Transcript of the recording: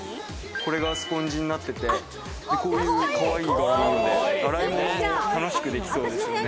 これがスポンジになっていて、こういうかわいい柄なので洗い物も楽しくできそうですよね。